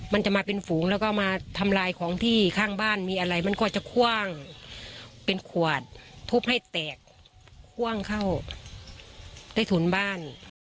มันจะมาเป็นฝูงแล้วก็มาทำลายของที่ข้างบ้านมีอะไรมันก็จะคว่างเป็นขวดทุบให้แตกคว่างเข้าใต้ถุนบ้าน